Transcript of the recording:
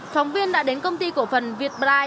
phóng viên đã đến công ty cổ phần việt bly